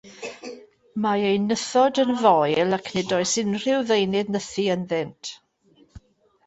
Mae eu nythod yn foel ac nid oes unrhyw ddeunydd nythu ynddynt.